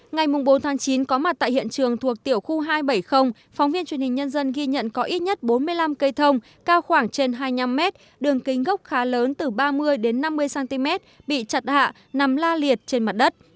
ngày bốn chín có mặt tại hiện trường thuộc tiểu khu hai trăm bảy mươi phóng viên truyền hình nhân dân ghi nhận có ít nhất bốn mươi năm cây thông cao khoảng trên hai mươi năm mét đường kính gốc khá lớn từ ba mươi đến năm mươi cm bị chặt hạ nằm la liệt trên mặt đất